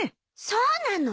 そうなの？